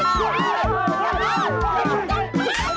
ช่วยกับพ่อ